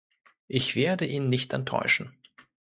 Ich werde ihn nicht enttäuschen.